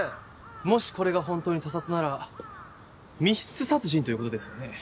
もしこれが本当に他殺なら密室殺人ということですよね？